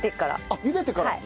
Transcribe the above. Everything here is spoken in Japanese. あっ茹でてから？